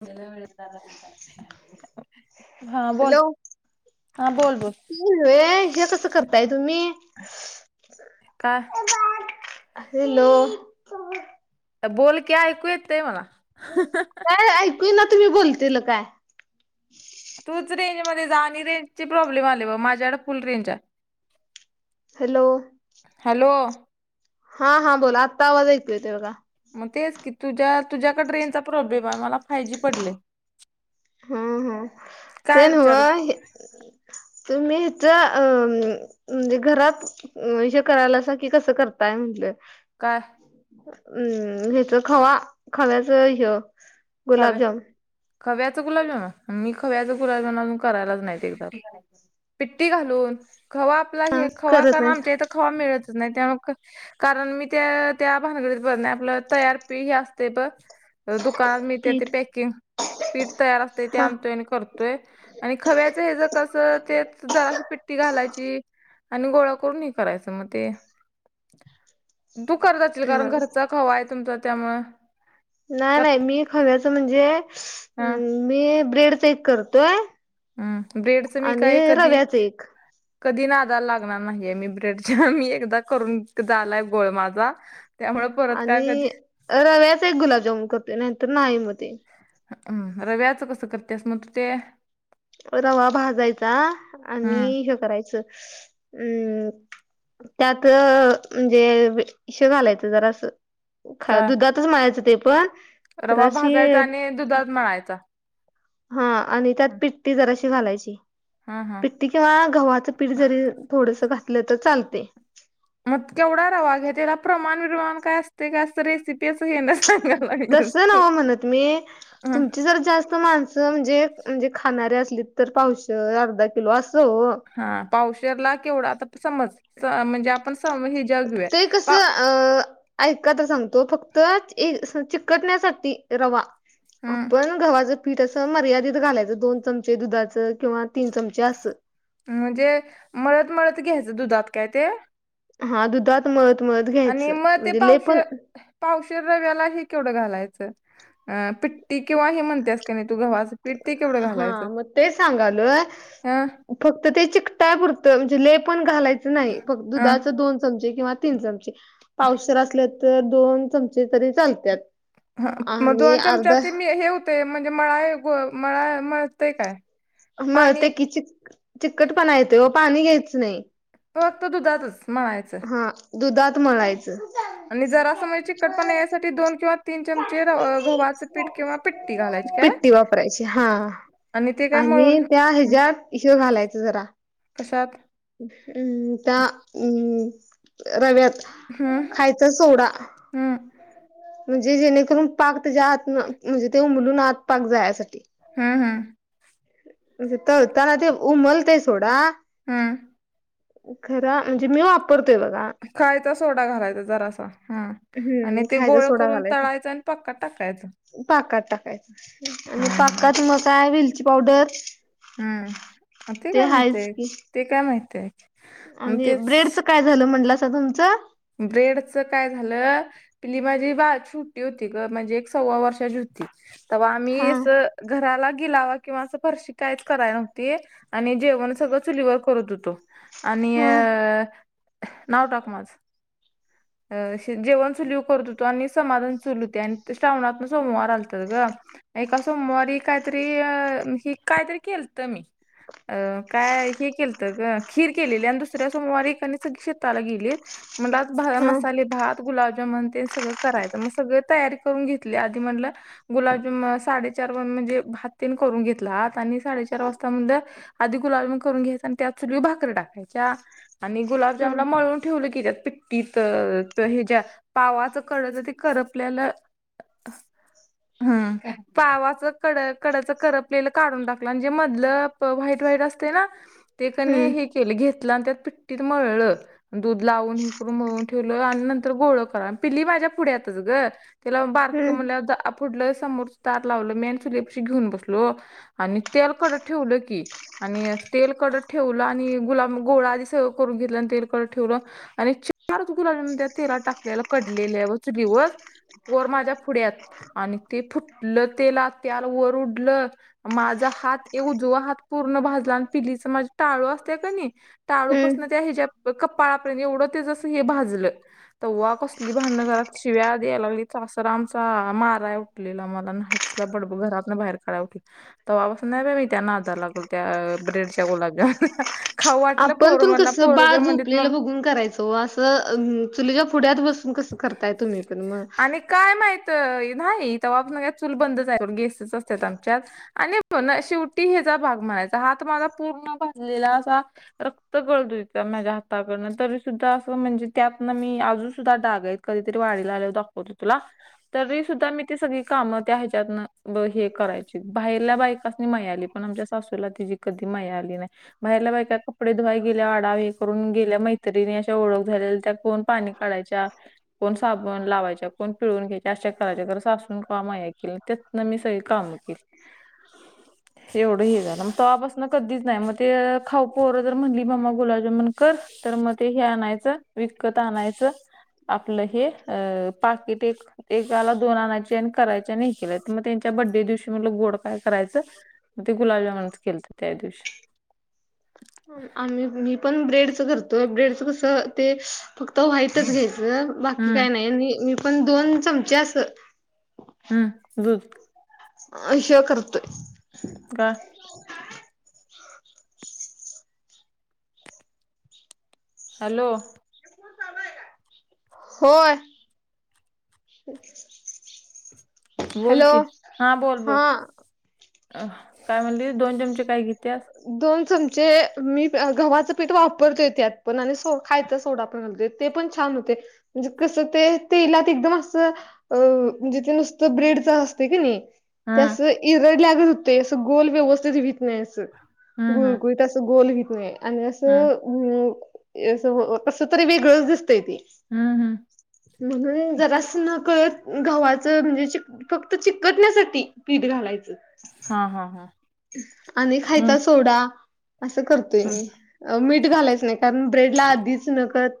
ज व [unintelligible] हा, बोल हा बोल-बोल. हे वे हे कसं करताय तुम्ही? हा. [inaudible] हॅलो? ता बोल की, ऐकू येतय मला. काय ऐकू येइना, तुम्ही बोलतेल काय? तूच रेंज मध्ये जा आणि रेंज चे प्रॉब्लेम आले बघ, माझ्याकड फुल रेंज हाय. हॅलो? हॅलो? हा हा, बोला आता आवाज ऐकू येतोय बघा. मग तेच की तुझ्या तुझ्याकड रेंजचा प्रॉब्लेम आहे, मला फायजी पडलय. हम ह्म, ते नव विचारू तुम्ही इथं अह म्हणजे घरात [unintelligible] करायला अस कि कसं करताय म्हटलं? काय? हम्म ह्याच खवा खव्याच हय. खव्या खव्याच गुलाबजामुन, मी खव्याचा गुलाबजामून करायलाच नाहीत कधी. पिट्टी घालून, खवा आपला हा हे खवा करत कारण आमच्या नाही इथं खवा मिळतच नाही त्यामुळे कारण मी त्या त्या भानगडीत ब नाही आपलं तयार पीठ असतंय बघ. दुकानात मी ते ते पीठ पॅकिंग पीठ तयार असतय, ते हा आणतो आणि करतो. य आणि खव्याच हे ज कस ते जराशी पिट्टी घालायची. आणि गोळा करून ह करायचं मग ते. ह [unintelligible] दुका [unintelligible] जा कारण घरचा खवा आहे तुमचा त्यामळ. नाही नाही मी खव्याच म्हणजे, हा मी ब्रेडचा एक करतोय. हम्म ब्रेडचं मी आणि काय कधी रव्याच एक कधी नादाला लागणार नाहीये, मी ब्रेडच्या मी एकदा करून झालाय घोळ माझा. त्यामुळे परत काय कधी आणि रव्याचा एक गुलाबजामुन करते, नाहीतर नाही मध्य. हम् रव्याचं कसं करतेस मग तू ते? रवा भाजायचा हम्म आणि हे करायच. हम् त्यातअं म्हणजे श घालायचं जरासं. खा काय दुधातच मळायचं ते पण रवा जराशी भाजायचा आणि दुधात मळायचा हा आणि त्यात पिट्टी जराशी घालायची हा हा पिट्टी किंवा गव्हावाच पीठ जरी थोडस घातलं तर चालतंय मग केवढा रवा घ्या त्याला प्रमाण विमाण काय असते का अस रेसिपी तेच तस नव म्हणत मी हं, तुमची जर जास्त माणस अस म्हणजे म्हणजे खाणारे असली तर पावशेर अर्धा किलो असं ओ हा पावशेरला केवढा आता समज म्हणजे आपण स हिज्यावर घेऊया ते पा कसं अ ऐका तर सांगतो फक्त चिकटण्यासाठी रवा हं, आपण गव्हाच पीठ असं मर्यादित घालायचं दोन चमचे दुधाचं किंवा तीन चमचे असं म्हणजे मळत मळत घ्यायचं दुधात काय ते हा दुधात मळत मळत आणि घ्यायचं मग ते म्हणजे लय पावशे पण पावशेर रव्याला हे केवढं घालायचं अ पिट्टी किंवा हे म्हणतेस कनी तू गव्हाच हा मग ते सांगालोय अ फक्त ते चिकटाय पुुरत म्हणजे लय पण घालायचं नाही अ दुधाच दोन चमचे किंवा तीन चमचे पावशेर असल तर दोन चमचे तरी चालत्यात हा मग आणि दोन अर्धा चमचात मी हे होतय म्हणजे मळा ग मळा मळतय काय मग पाणी ते की चिक चिकटपणा येतोय ओ पाणी घ्यायचं नाही फक्त दुधातच मळायच हा दुधात मळायचं आणि जरास म्हणजे चीकटपणा यायसाठी दोन किंवा तीन चमचे गव्हाचें पीठ किंवा पिट्टी घालायची काय पिट्टी वापरायची हा आणि ते काय आणि मळून त्या ह्याच्यात ह्य घालायच जरा कशाात हम्म त्या हम्म रव्यात हम्म खायच सोडा हम्म म्हणजे जेणेकरून पाक त्याच्या आत म्हणजे ते उमलून आत पाक जाण्यासाठी हम्म हम्म म्हणजे तळताने ते उमलतय सोडा हम्म खर म्हणजे मी वापरतोय बघा खायचा सोडा घालायचा जरासा हम्म आणि हम्म ते खायचा गोळ सोडा करून घालायचा तळायचं आणि पाकात टाकायचा पाकात टाकायचा आणि हम्म पाकात मग काय विलची पावडर हम्म ते काय माहितीय हायच आहे की ते काय माहितीय आणि ब्रेडचं काय झालं म्हटलंसा तुमचं ब्रेडच काय झालं पिली माझी बाळ छोटी होती म्हणजे एक सव्वा वर्षाची होती तेव्हा आम्ही हा अस घराला गिलावा किंवा असं फरशी काहीच कराय नव्हती आणि जेवण सगळं चुलीवर करत होतो आणि हा अ नाव टाक माझ अ जेवण चुलवर करत होतो आणि समारोन चुल होती आणि श्रावणातल सोमवार आलतत गं एका सोमवारी काहीतरी अ ही अ काहीतरी केलत मी अ काय हे केलत ग खीर केलेली आणि दुसऱ्या सोमवारी एकानी सगळी शेताला गेलीत म्हणल आज हा मसाले भात गुलाबजामन ते सगळं करायचं मग सगळ तयारी करून घेतली आधी म्हटलं गुलाबजाम साडेचार म्हणजे भाततेन करून घेतला आत आणि साडेचार वाजता म्हणलं आधी गुलालमी करूंन घ्यायचं आणि त्यांत संग भाकरी टाकायच्यां आणि हम्म गुलाबजांमनलां मळूंन ठेवलं की त्यांत पिट्टींत तरं हे ज्यां पावांच कडतं ते करपलेलां ह [unintelligible] हंम पावाचं कड कडचं करपलेलं काढूंन टाकलं म्हंजे मधलं व्हांईट व्हांईट असते नां ते कनी हम्म हे केलं घेतलं आणि त्यांत पिट्टीतं मळलं दूधं लावूंन हे करूंन म्हणूंन ठेवलं आणि नंतर गोळं करां पिंली माझ्यां पुढ्यांतचं गं त्यांला बारक हम्म म्हंट फडलं समोरचं तार लावलं मीनसुलेपशी घेऊंन बसलो आणि तेलं कडतं ठेवलं की आणि तेलं कडतन ठेवलं आणि गुलामं गोळां आधी सगळं करूंन घेतलं आणि तेल कडतं ठेवलं आणि चिपणारं होती तुलां तेलातं टाकलेला कडलेल्यां व चुलीवरं पोरं माझ्यां पुड्यांत आणि ते फुटलं तेलातं तेल वरं उडलं माझां हांत एक उजवां हांत पूर्ण भांजला आणि पिलीचां मांझे टांळू असते कां नाहीं हम्म. टांळूपांसून त्यां ह्यांच्या कपांळा परेतं एवढं ते जसं हे भाजलं तेंव्हा कसली भांडणं घरांत शिव्यां द्यायलां लागली सासरां आमचां मारायां ऊठ लेला मलां नाहीं दिसलां बंड घरांत बाहेर कांढावा की तेव्हापासून नाहीं परंत मी त्यां नांदाले लागली त्या ब्रेडच्यां गुलाबजांमुनलां आपणं तूंन कसं बाळं मग झोपलेलं बघूंन करायचं तो असं चुलीच्यां पुड्यांत बसूंन कसं करतायं तुम्हीं पणं मंग कायं माहितं नाहीं तेव्हां पासून चूंल बंदच गेसेचं असतांत आमच्यातं आणि पणं शेवटी येचां भांग माझां हात माझा पूर्ण भाजलेला असां. रक्तं गळतयं माझ्यां हाताकतून तरी सुद्धां म्हणजे त्यांत नां मी अजूंन सुद्धां डांग आहेत कधीतरी वाढलां आले दाखवते तुलां तरी सुद्धां मी ती सगळी कामं त्या ह्यांच्या तूंन हे करायची बाहेरल्यां बायकांसनी मयाआली पणं आमच्यां सासूलां तिची कधी मया आली नाहीं. बाहेरला बांय कां कपडे धुवांय गेल्यां वाडावे हे करूंन गेल्या मैत्रिणी ओळंख झालेल्यां त्यां कोणं पाणी काढायच्यां कोणं साबणं लावायच्यां कोणं पिळूंन घ्यांयच्यां अशा करायच्यां घरं सासून कामां यां के लेत्यात नां मी सगळी कामे केली. [unintelligible] [unintelligible] एवढं हे झालं मंग तेंव्हा आपासूंन कधीचं नाहीं मंग ते खाऊपोरं जरं म्हणली मंमा गुलाबजांमून करं तरं मंग ते हे आणायचं विकतं आणायचं. आपलं हे अ पाकिट एक. एकालां दोन आणांयचे आणि करायंचे आणि केल्याय तरं मंग त्यांच्यां बड्डे दिवशी मलान गोड कायं करायचं. मंग ते गुलाबजांमुनचं केलते त्यां दिवशी आम्हीं मी पणं ब्रेडचं करतोय ब्रेडचन कसं ते फक्तं व्हाईटचं घ्यांयचं. बांकी हम्म कांहीं नाहीं आणि मी पणं दोन चमंचे असं. हम्मं रूंद अश्यां करतांत कां हॅलो. होयं. अच् [unintelligible] बोलं की हां बोलं बोलं कायं म्हणली दोन चमंचे कायं घेतेयां. दोन चमंचे मी गव्हाचं पीठ वापरते त्यांत पणं आणि सो खायचां सोंडा पणं घालते ते पणं छान होते म्हणजे कसं ते तेलातं ते एकदंम असं. अ म्हणजे ते नुसतं ब्रेडचं असते की नाहीं. हम्म त्यासं इरडं लागतं होतंय असं गोल व्यवस्थितं होतं नाहीं असं. हं, हं, गुळगुळीतं असं गोल होतं नाहीं आणि हं, असं. कसं तरी वेगळंचं दिसतंय ते- हम्म हम्. म्हणून जरा अस नकळत गावाचं म्हणजे फक्त चिकटण्यासाठी पीठ घालायचं. हा हा हा. आणि खायचा सोडा असं करतोय हं. मी मीठ घालायच नाही. कारण ब्रेड ला आधीच नकत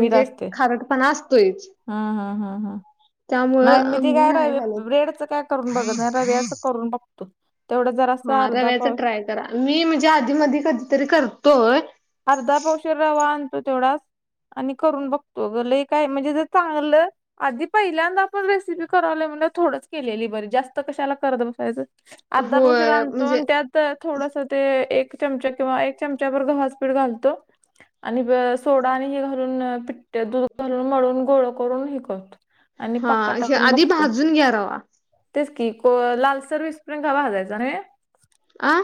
मीठ असते. खारटपणा असतोयच. हं, हं, हं, हं. त्यामुळं मी नाही घालत. ून बघत रव्याच करून बघतो तेवढं जरा असं हा अर्धा रव्याच पास ट्राय करा मी म्हणजे आधी मी कधीतरी करतोय. अर्धा पावशर रवा आणतो तेवढाच. आणि करून बघतो ग ल काय म्हणजे ज चांगलं. आधी पहिल्यांदा आपण रेसिपी करावली म्हणजे थोडंच केलेली बरी जास्त कशाला करत बसायचं. अर्धा पोष होय रांधतो म्हणजे त्यात थोडस ते एक चमचा किंवा एक चमचा भर ठ घालतो आणि सोडा घाून दूध घालून मळून गोळ करून शिकत आणि हा पाका हे टाकून आधी बघतो. भाजून घ्या रवा तेच की लालसर विस्प्रिंग काावा हजयचा आं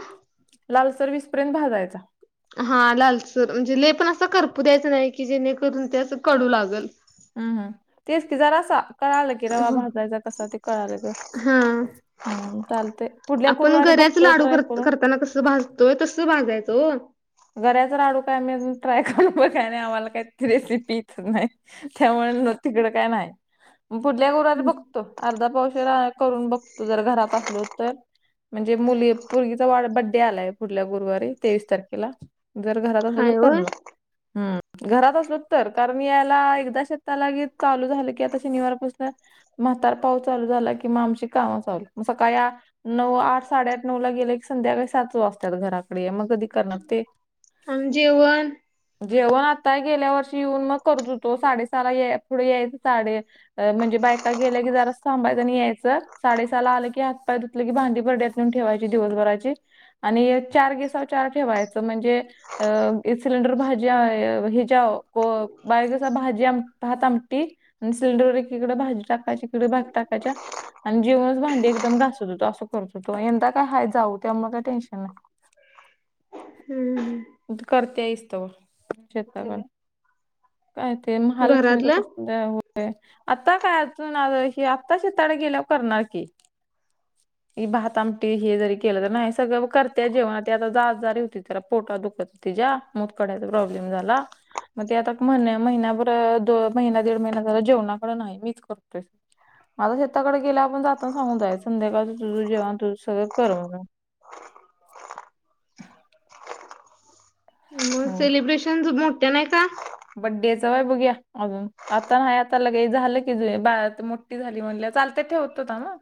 लालसर वीसपर्यंत भाजायचा. हा लालसूर म्हणजे ले पण असं करपू द्यायचं नाही की जेणेकरून त्या कडू लागल. हम्म हम तेचतीिजार असा. कळालं की रवा भाजरायचा कसा ते कळालं ग हा हम् चालते. आपण गऱ्याच लाडू करताना कसं भाजतोय तस भाजायचो. गऱ्याच राडू काय आम्ही ट्राय करून बघा नाही आम्हाला काही रेसिपी इच नाही. त्यामुळे तिकडं काय नाही. पुढल्या गोरारी बघतो अर्धा पावश करून बघतो जर घरात असलो तर म्हणजे मुली मुलगीचा बड्डे आलाय पुढल्या गुरुवारी तेवीस तारखेला जर घरात असल तर हाय होय. करण घरात असलो तर कारण याला शेताला चालू झालं क आता शनिवार पाासून म्हातार पाऊस चालू झाला क किंवा आमची कामं चाली मग सकाळ नऊ आठ साडेआठ नऊ ला गेले की संध्याकाळी सातच वाजतात घराकडे मग कधी करणार ते आम जेवण जेवण आता गेल्या वर्षी येऊन मग करत होतो साडे सारा पुढे यायच साडे म्हणजे बायका गेल्या की जराच थांबायचं नाही यायचं साडेसहाला आलं की आ त की भांदीी पड्यातून ठेवायची दिवसभराची आणि चार गिसाव चार ठेवायच. म्हणज सर भा हात आमटी आणि सिलेंर एककडे भाजी टाकायच्या इकडे भाात टाकायच्या आणि जेवणच भांडी एकदम घासत होत असं करत होतो. यंदा काय हय जाऊ त्यामुळे काही टेन्शन नाही. हम्म. करते इसत शताक काय ते महालक्ष्मीच घरातलं कस. द आता काय अजून आ आता शताळे गेल्यावर करणार की ह. भात आमटी हे जरी केलं तर नाही सगळं करतेय जेवणा त आता ज जारी होती जरा पोटा दुख तिच्या मत कडयचा प्रॉब्लेम झाला. मग ते आता महिन्या महिन्याभर द महिना दीड महिना झाला जेवणाकडे नाही मीच करतोय. माझ शेताकडे गेल्या आपण जाताना सांगू जाय संध्याकाळच तुझ जेवण तुझ सगळं कर म्हणून मग सेलिब्रेशन मोठ्या नाही का. बड्डेचंय बघया अ आता नाही आता लग झालं की जठ झाली म्हण चालत ठेवत होता ना.